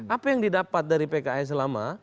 apa yang didapat dari pks selama